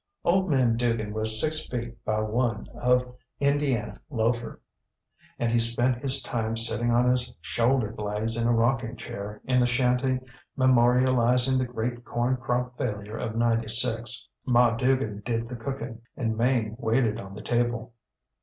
ŌĆ£Old Man Dugan was six feet by one of Indiana loafer, and he spent his time sitting on his shoulder blades in a rocking chair in the shanty memorialising the great corn crop failure of ŌĆÖ96. Ma Dugan did the cooking, and Mame waited on the table.